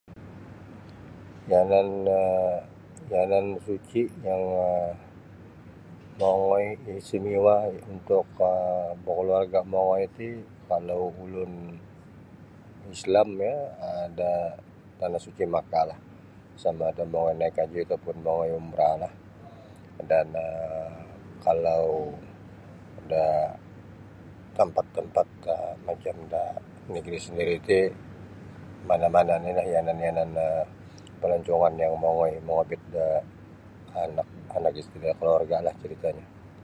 Yanan um yanan suci' yang um mongoi istimewa untuk um bakaluarga' mongoi ti kalau ulun Islam iyo um da tanah suci' Makahlah sama ada mongoi naik haji atau pun mongoi umrahlah dan kalau da tampat-tempat um macam da negri sandiri' ti mana'-mana' oni'lah yanan-yanan um palancungan mongoi mongobit da anak isteri dan kaluarga'lah carita'nyo .